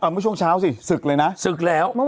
ไม่ช่วงเช้าสิศึกเลยนะ